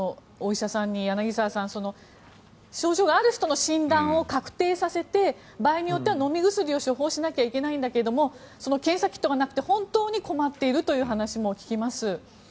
お医者さんに柳澤さん症状がある人の診断を確定させて場合によっては飲み薬を処方しないといけないんだけどその検査キットがなくて本当に困っているという話も聞きます。